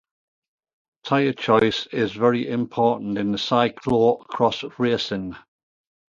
Tire choice is very important in cyclo-cross racing.